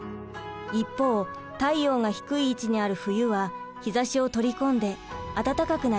一方太陽が低い位置にある冬は日ざしを取り込んで暖かくなります。